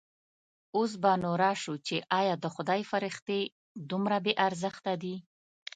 اوس به نو راشو چې ایا د خدای فرښتې دومره بې ارزښته دي.